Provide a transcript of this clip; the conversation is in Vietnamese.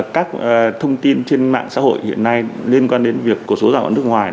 các thông tin trên mạng xã hội hiện nay liên quan đến việc của số dạng quản nước ngoài